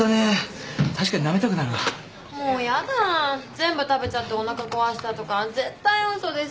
全部食べちゃっておなか壊したとか絶対嘘ですよ。